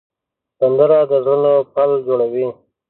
سندره د زړونو پل جوړوي